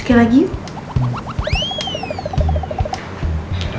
sekian lagi yuk